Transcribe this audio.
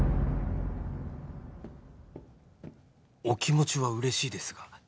「お気持ちはうれしいですが」